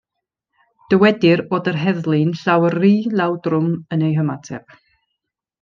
Dywedir fod yr heddlu'n llawer rhy lawdrwm yn eu hymateb.